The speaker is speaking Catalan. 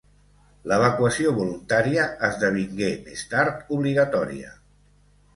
L'evacuació voluntària esdevingué més tard obligatòria.